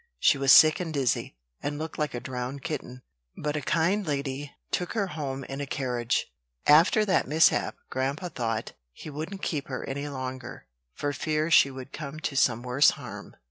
She was sick and dizzy, and looked like a drowned kitten; but a kind lady took her home in a carriage. After that mishap grandpa thought he wouldn't keep her any longer, for fear she should come to some worse harm.